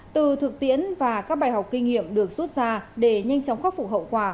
từ thực tiễn và các bài học kinh nghiệm được rút ra để nhanh chóng khắc phục hậu quả